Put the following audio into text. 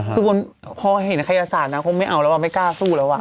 คือพอเห็นฯภาษาคงไม่เอาแล้วไม่กล้าสู้ละวะ